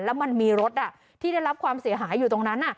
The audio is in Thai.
แล้วมันมีรถที่ได้รับความเสียหายอยู่ตรงนั้น